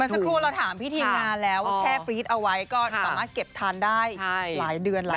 สักครู่เราถามพี่ทีมงานแล้วแช่ฟรีดเอาไว้ก็สามารถเก็บทานได้หลายเดือนแล้ว